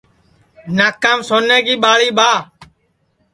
ناکام سونیں کی ٻاݪی ٻاہ